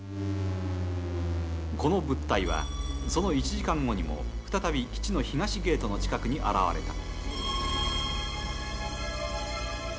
この物体は、その１時間後にも再び基地の東ゲートの近くに現れた。